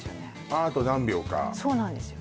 あああと何秒かそうなんですよ